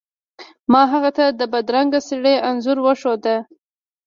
ما هغه ته د بدرنګه سړي انځور وښود.